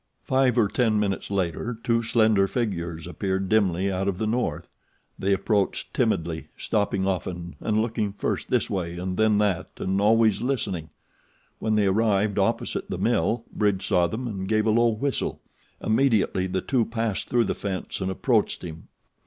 Five or ten minutes later two slender figures appeared dimly out of the north. They approached timidly, stopping often and looking first this way and then that and always listening. When they arrived opposite the mill Bridge saw them and gave a low whistle. Immediately the two passed through the fence and approached him.